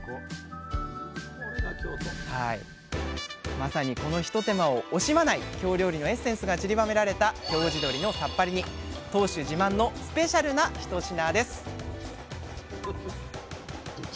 まさにこのひと手間を惜しまない京料理のエッセンスがちりばめられた当主自慢のスペシャルな一品です！